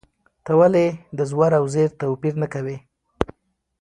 ته ولې د زور او زېر توپیر نه کوې؟